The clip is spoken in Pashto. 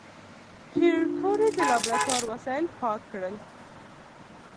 پېیر کوري د لابراتوار وسایل پاک کړل.